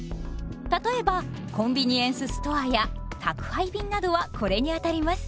例えばコンビニエンスストアや宅配便などはこれにあたります。